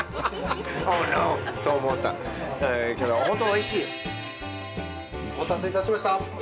お待たせいたしました。